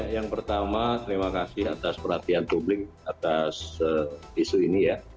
yang pertama terima kasih atas perhatian publik atas isu ini ya